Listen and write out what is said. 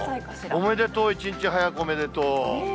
おめでとう、１日早くおめでとう。